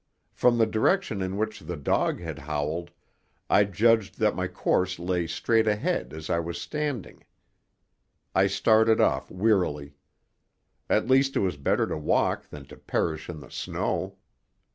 From the direction in which the dog had howled, I judged that my course lay straight ahead as I was standing. I started off wearily. At least it was better to walk than to perish in the snow.